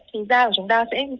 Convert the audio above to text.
thì da của chúng ta sẽ